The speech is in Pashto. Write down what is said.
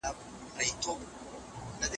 په خزان او په بهار کي بیرته تله دي